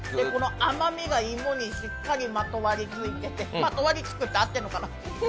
甘みが芋にしっかりまとわりついてて、まとわりつくって合ってるのかな。